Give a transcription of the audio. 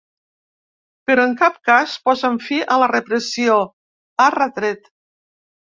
“Però en cap cas posen fi a la repressió”, ha retret.